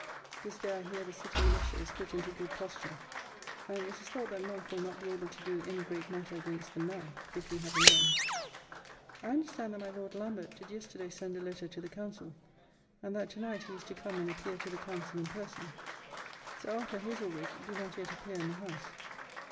This day I hear the City militia is put into good posture, and it is thought that Monk will not be able to do any great matter against them now, if he have a mind. I understand that my Lord Lambert did yesterday send a letter to the Council, and that to night he is to come and appear to the Council in person. Sir Arthur Haselrigge do not yet appear in the House.